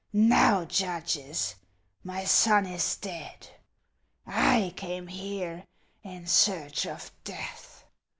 Now, judges, my son is dead ; 1 came here in search of death.